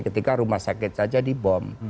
ketika rumah sakit saja di bom